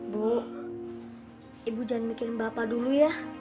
bu ibu jangan bikin bapak dulu ya